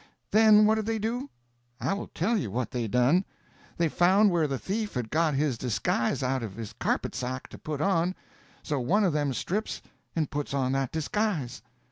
"Then what did they do? I will tell you what they done. They found where the thief had got his disguise out of his carpet sack to put on; so one of them strips and puts on that disguise."